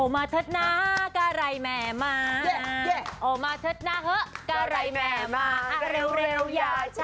พอได้มั้ย